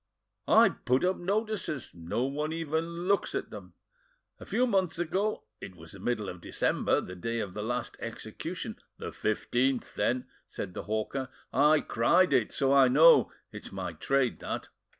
I put up notices—no one even looks at them! A few months ago—it was the middle of December, the day of the last execution—" "The 15th, then," said the hawker. "I cried it, so I know; it's my trade, that."